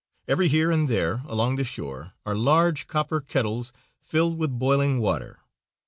Every here and there along the shore are large copper kettles filled with boiling water.